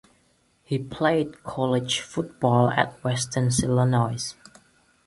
He played college football at Western Illinois.